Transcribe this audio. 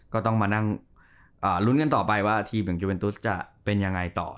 ก็ต้องมารุ้นกันไปว่าทีมยังจุเวนตุ๊ษจะเป็นยังไงต่อ